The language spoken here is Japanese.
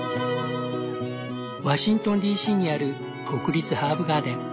ワシントンＤＣにある国立ハーブガーデン。